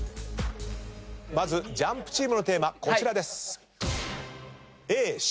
まずＪＵＭＰチームのテーマこちらです。